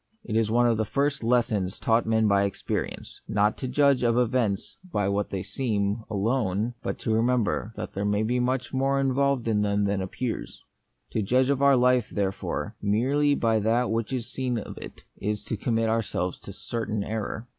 It is one of the first lessons taught men by experience, not to judge of events by what they seem, alone, but to re member that there may be much more in volved in them than appears. To judge of The Mystery of Pain. 21 our life, therefore, merely by that which is seen of it, is to commit ourselves to certain error.